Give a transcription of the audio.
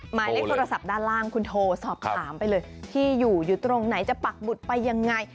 หมายเลขโทรศัพท์ด้านล่างคุณโทรสอบถามไปเลยที่อยู่อยู่ตรงไหนจะปักบุตรไปยังไง